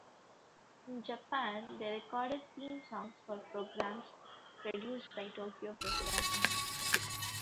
In Japan, they recorded theme songs for programs produced by Tokyo Broadcasting System.